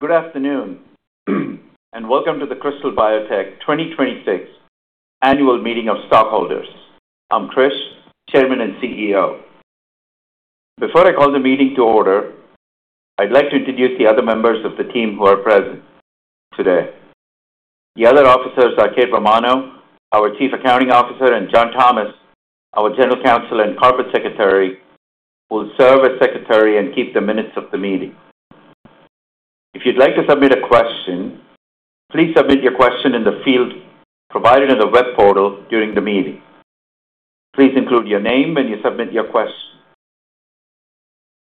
Good afternoon and welcome to the Krystal Biotech 2026 Annual Meeting of Stockholders. I'm Krish, Chairman and CEO. Before I call the meeting to order, I'd like to introduce the other members of the team who are present today. The other officers are Kate Romano, our Chief Accounting Officer, and John Thomas, our General Counsel and Corporate Secretary, will serve as secretary and keep the minutes of the meeting. If you'd like to submit a question, please submit your question in the field provided in the web portal during the meeting. Please include your name when you submit your question.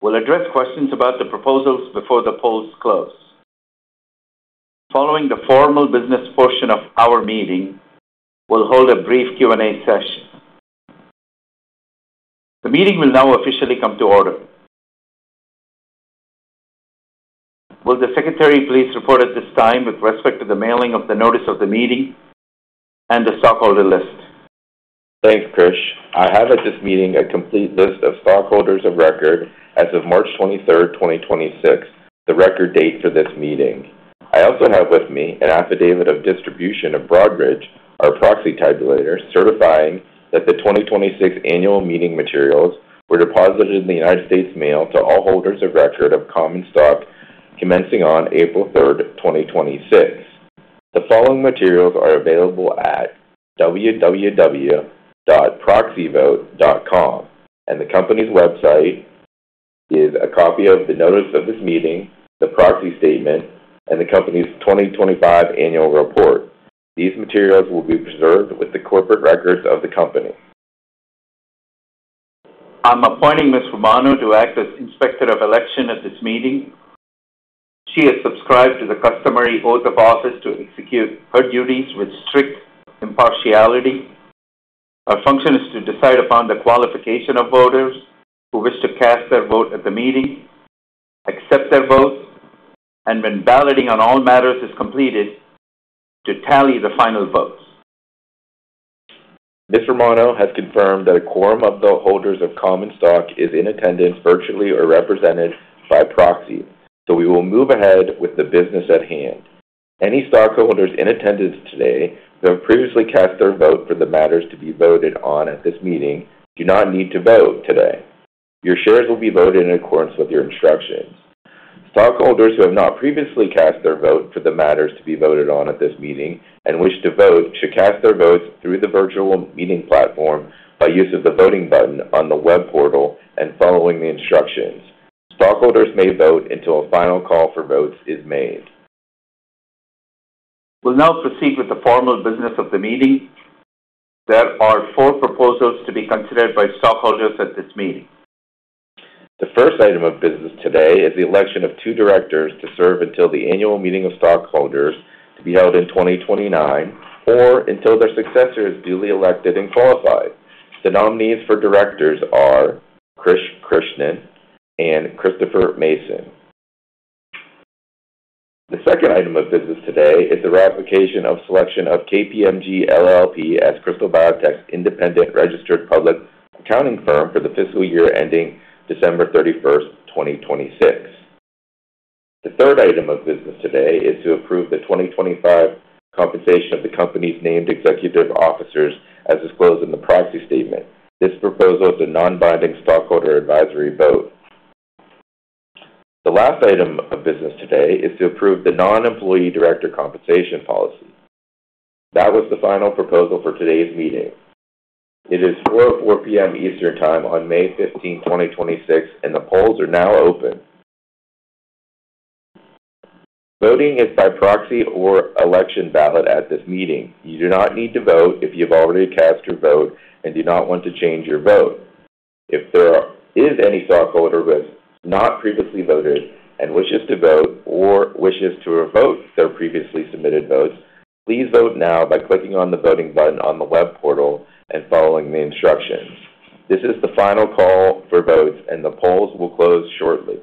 We'll address questions about the proposals before the polls close. Following the formal business portion of our meeting, we'll hold a brief Q&A session. The meeting will now officially come to order. Will the secretary please report at this time with respect to the mailing of the notice of the meeting and the stockholder list? Thanks, Krish. I have at this meeting a complete list of stockholders of record as of March 23rd, 2026, the record date for this meeting. I also have with me an affidavit of distribution of Broadridge, our proxy tabulator, certifying that the 2026 annual meeting materials were deposited in the United States Mail to all holders of record of common stock commencing on April 3rd, 2026. The following materials are available at www.proxyvote.com, and the company's website is a copy of the notice of this meeting, the proxy statement, and the company's 2025 annual report. These materials will be preserved with the corporate records of the company. I'm appointing Ms. Romano to act as Inspector of Election at this meeting. She has subscribed to the customary oath of office to execute her duties with strict impartiality. Her function is to decide upon the qualification of voters who wish to cast their vote at the meeting, accept their vote, and when balloting on all matters is completed, to tally the final votes. Ms. Romano has confirmed that a quorum of the holders of common stock is in attendance, virtually or represented by proxy, we will move ahead with the business at hand. Any stockholders in attendance today who have previously cast their vote for the matters to be voted on at this meeting do not need to vote today. Your shares will be voted in accordance with your instructions. Stockholders who have not previously cast their vote for the matters to be voted on at this meeting and wish to vote should cast their votes through the virtual meeting platform by use of the voting button on the web portal and following the instructions. Stockholders may vote until a final call for votes is made. We'll now proceed with the formal business of the meeting. There are four proposals to be considered by stockholders at this meeting. The first item of business today is the election of two directors to serve until the annual meeting of stockholders to be held in 2029 or until their successor is duly elected and qualified. The nominees for directors are Krish Krishnan and Christopher Mason. The second item of business today is the ratification of selection of KPMG LLP as Krystal Biotech's independent registered public accounting firm for the fiscal year ending December 31st, 2026. The third item of business today is to approve the 2025 compensation of the company's named executive officers as disclosed in the proxy statement. This proposal is a non-binding stockholder advisory vote. The last item of business today is to approve the non-employee director compensation policy. That was the final proposal for today's meeting. It is 4:04 P.M. Eastern Time on May 15, 2026, and the polls are now open. Voting is by proxy or election ballot at this meeting. You do not need to vote if you've already cast your vote and do not want to change your vote. If there is any stockholder who has not previously voted and wishes to vote or wishes to revote their previously submitted vote, please vote now by clicking on the voting button on the web portal and following the instructions. This is the final call for votes, and the polls will close shortly.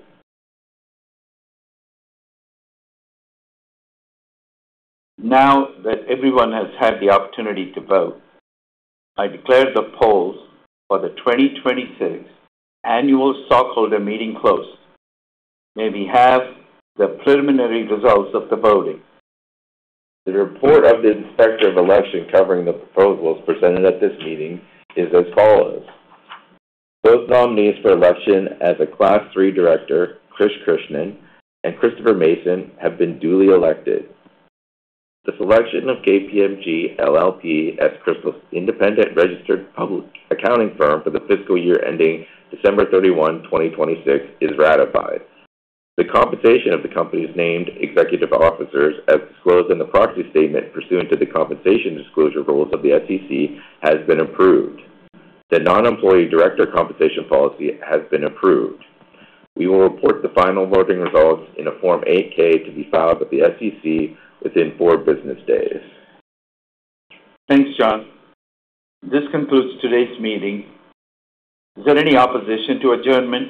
Now that everyone has had the opportunity to vote, I declare the polls for the 2026 annual stockholder meeting closed. May we have the preliminary results of the voting. The report of the Inspector of Election covering the proposals presented at this meeting is as follows. Both nominees for election as a class three director, Krish Krishnan and Christopher Mason, have been duly elected. The selection of KPMG LLP as Krystal's independent registered public accounting firm for the fiscal year ending December 31, 2026, is ratified. The compensation of the company's named executive officers, as disclosed in the proxy statement pursuant to the compensation disclosure rules of the SEC, has been approved. The non-employee director compensation policy has been approved. We will report the final voting results in a Form 8-K to be filed with the SEC within four business days. Thanks, John. This concludes today's meeting. Is there any opposition to adjournment?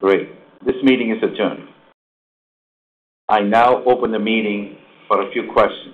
Great. This meeting is adjourned. I now open the meeting for a few questions.